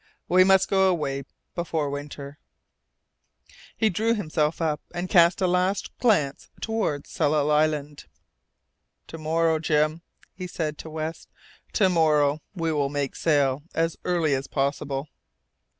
We must go away before winter " He drew himself up, and cast a last glance towards Tsalal Island. "To morrow, Jim," he said to West, "to morrow we will make sail as early as possible."